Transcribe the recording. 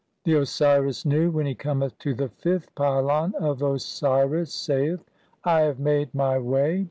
X. (40) The Osiris Nu, when he cometh to the tenth pylon of Osiris, saith :— "I have made [my] way.